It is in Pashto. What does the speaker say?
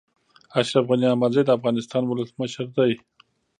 اشرف غني احمدزی د افغانستان ولسمشر دی